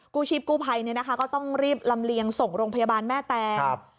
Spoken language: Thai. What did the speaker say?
กู้ชีพกู้ภัยก็ต้องรีบลำเลียงส่งโรงพยาบาลแม่แตง